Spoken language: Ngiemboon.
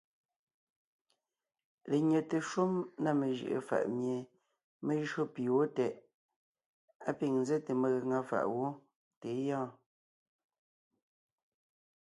Lenyɛte shúm na mejʉʼʉ faʼ mie mé jÿó pì wó tɛʼ, á pîŋ nzɛ́te megaŋa fàʼ wó tà é gyɔɔn.